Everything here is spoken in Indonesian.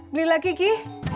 beli lagi ki